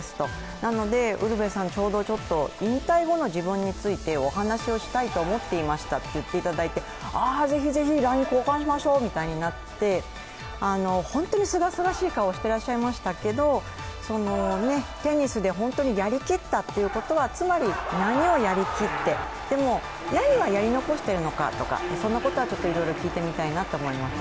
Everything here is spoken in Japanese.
なのでウルヴェさん、ちょうど、引退後の自分についてお話をしたいと思っていましたと言っていただいてああぜひぜひ、ＬＩＮＥ交換しましょうとなって、本当にすがすがしい顔をしてらっしゃいましたけど、テニスで本当にやりきったというのはつまり、何をやりきってでも何は、やり残してるのかとかそんなことはいろいろ聞いてみたいなと思います。